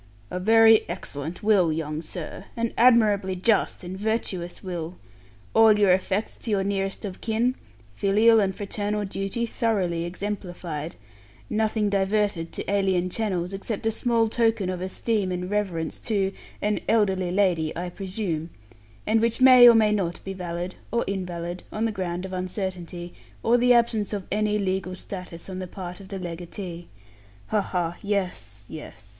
'A very excellent will, young sir. An admirably just and virtuous will; all your effects to your nearest of kin; filial and fraternal duty thoroughly exemplified; nothing diverted to alien channels, except a small token of esteem and reverence to an elderly lady, I presume: and which may or may not be valid, or invalid, on the ground of uncertainty, or the absence of any legal status on the part of the legatee. Ha, ha! Yes, yes!